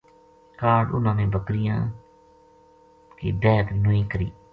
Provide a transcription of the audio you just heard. کاہڈ اُنھاں نے بکریاں بِہک نوئی کری